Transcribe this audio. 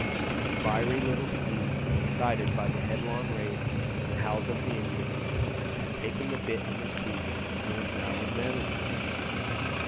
His fiery little steed, excited by the headlong race and the howls of the Indians, had taken the bit in his teeth and was now unmanageable.